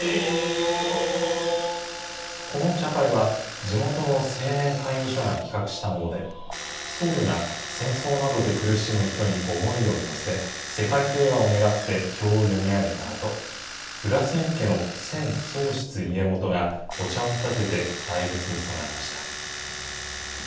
この茶会は、地元の青年会議所が企画したもので、僧侶が戦争などで苦しむ人に思いを寄せ、世界平和を願って経を読み上げたあと、裏千家の千宗室家元がお茶をたてて、大仏に供えました。